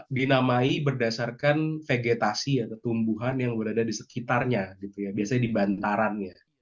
ini dinamai berdasarkan vegetasi atau tumbuhan yang berada di sekitarnya biasanya di bantaran